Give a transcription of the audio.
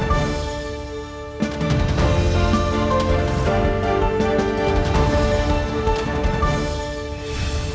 jangan lupa di tonton